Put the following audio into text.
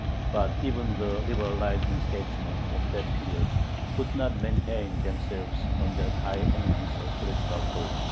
But even the liberalizing statesmen of that period could not maintain themselves on that high eminence of political thought.